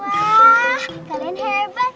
wah kalian herba